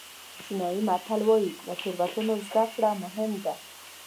چینایي متل وایي له تېروتنو زده کړه مهم ده.